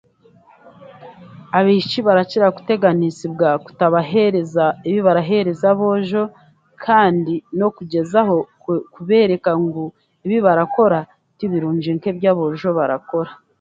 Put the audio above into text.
Abaishiki barakira kuteganiisibwa kutabahereza ebi baraheereza aboojo, kandi n'okugyezaho kubeereka ngu ebi barakora ti birungi nk'eby'aboojo barakora.